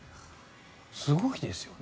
すごいですよね。